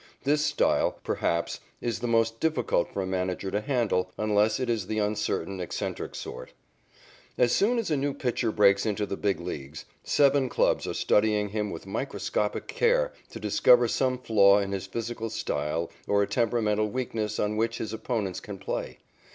This style, perhaps, is the most difficult for a manager to handle, unless it is the uncertain, eccentric sort. As soon as a new pitcher breaks into the Big Leagues, seven clubs are studying him with microscopic care to discover some flaw in his physical style or a temperamental weakness on which his opponents can play.